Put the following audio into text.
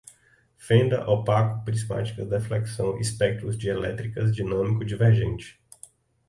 fenda, opaco, prismáticas, deflexão, espectros, dielétricas, dinâmico, divergente